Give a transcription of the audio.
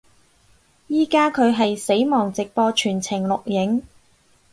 依家佢係死亡直播全程錄影